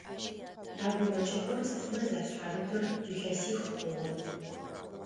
А гумэкӏыгъор цӏыфмэ зашъхьарытыр илъэсих хъугъэ.